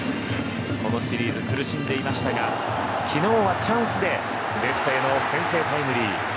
このシリーズ苦しんでいましたが昨日はチャンスでレフトへの先制タイムリー。